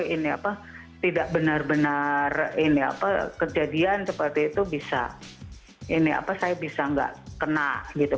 ini apa tidak benar benar ini apa kejadian seperti itu bisa ini apa saya bisa nggak kena gitu